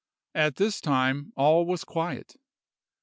At this time all was quiet.